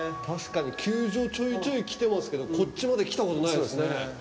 確かに球場ちょいちょい来てますけどこっちまで来たことないですね